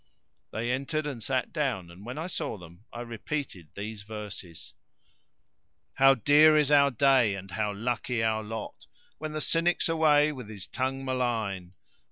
They entered and sat down; and when I saw them I repeated these verses:— "How dear is our day and how lucky our lot, * When the cynic's away with his tongue malign!